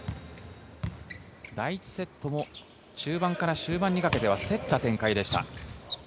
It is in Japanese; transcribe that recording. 第１セットも中盤から終盤にかけては競った展開でした。